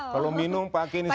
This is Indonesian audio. kalau minum pakai ini